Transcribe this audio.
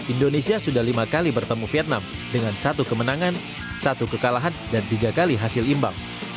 indonesia sudah lima kali bertemu vietnam dengan satu kemenangan satu kekalahan dan tiga kali hasil imbang